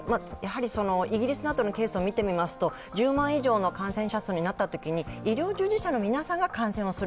イギリスなどのケースを見てみますと、１０万以上の感染者数になったときに、医療従事者の皆さんが感染する。